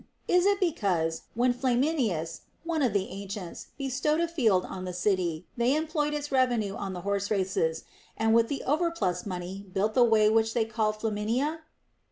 Is it because, when Flaminius, one of the ancients, bestowed a field on the city, they employed its revenue on the horse races, and with the overplus money built the way which they call Flaminia